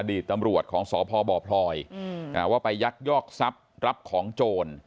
ตำรวจของสพบพลอยว่าไปยักยอกทรัพย์รับของโจร